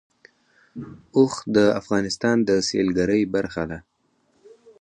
اوښ د افغانستان د سیلګرۍ برخه ده.